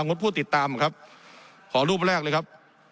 งดผู้ติดตามครับขอรูปแรกเลยครับ